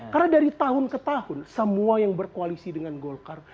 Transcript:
karena dari tahun ke tahun semua yang berkoalisi dengan golkar